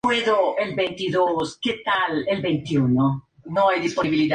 Tres diferentes problemas cuantitativos fueron estudiados por otros tantos autores.